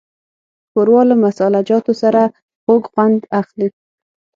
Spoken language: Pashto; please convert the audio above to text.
ښوروا له مسالهجاتو سره خوږ خوند اخلي.